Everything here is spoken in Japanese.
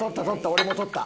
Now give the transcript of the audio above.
俺も取った。